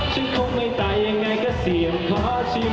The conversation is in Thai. ฉันคงไม่ตายยังไงก็เสี่ยงขอชิม